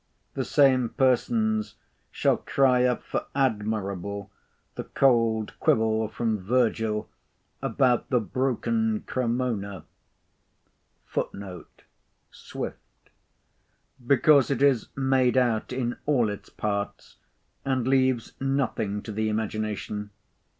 The same persons shall cry up for admirable the cold quibble from Virgil about the broken Cremona; because it is made out in all its parts, and leaves nothing to the imagination.